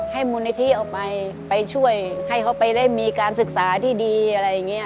มูลนิธิออกไปไปช่วยให้เขาไปได้มีการศึกษาที่ดีอะไรอย่างนี้